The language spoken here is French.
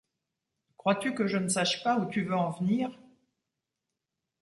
Crois-tu que je ne sache pas où tu veux en venir ?